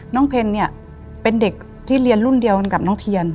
เพนเนี่ยเป็นเด็กที่เรียนรุ่นเดียวกันกับน้องเทียน